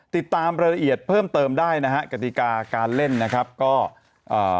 ติดตามรายละเอียดเพิ่มเติมได้นะฮะกติกาการเล่นนะครับก็เอ่อ